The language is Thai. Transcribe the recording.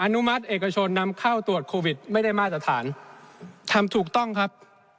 อนุมัติเอกชนนำเข้าตรวจโควิดไม่ได้มาตรฐานทำถูกต้องครับ